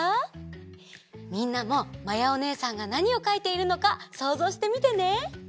みんなもまやおねえさんがなにをかいているのかそうぞうしてみてね。